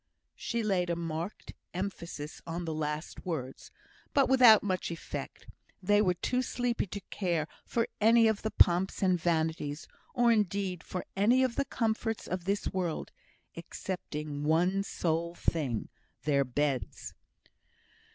She laid a marked emphasis on the last words, but without much effect; they were too sleepy to care for any of the pomps and vanities, or, indeed, for any of the comforts of this world, excepting one sole thing their beds.